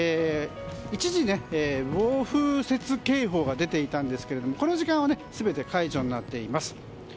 一時、暴風雪警報が出ていたんですけれどこの時間は全て解除になっています。